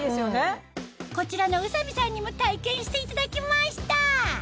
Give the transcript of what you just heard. こちらの宇佐美さんにも体験していただきました